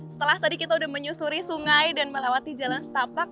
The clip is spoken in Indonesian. setelah tadi kita sudah menyusuri sungai dan melewati jalan setapak